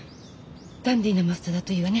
ダンディーなマスターだといいわね。